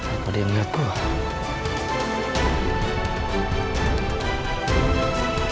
apa ada yang lihat gua